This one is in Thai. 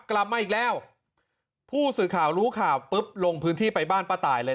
กลับมาอีกแล้วผู้สื่อข่าวรู้ข่าวปุ๊บลงพื้นที่ไปบ้านป้าตายเลย